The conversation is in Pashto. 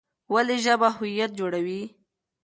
ولې ژبه هویت جوړوي؟